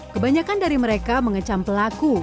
kebanyakan dari mereka mengecam pelaku